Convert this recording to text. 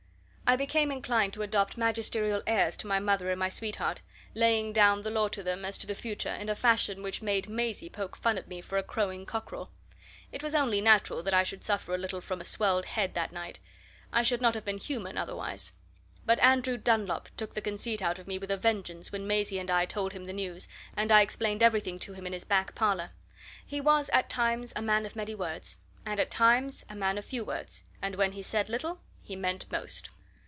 I became inclined to adopt magisterial airs to my mother and my sweetheart, laying down the law to them as to the future in a fashion which made Maisie poke fun at me for a crowing cockerel. It was only natural that I should suffer a little from swelled head that night I should not have been human otherwise. But Andrew Dunlop took the conceit out of me with a vengeance when Maisie and I told him the news, and I explained everything to him in his back parlour. He was at times a man of many words, and at times a man of few words and when he said little, he meant most.